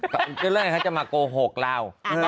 ก็เรื่องอะไรเขาจะมาโกหกเรา